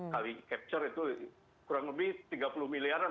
kali capture itu kurang lebih tiga puluh miliaran lah kalau untuk lima lima miliaran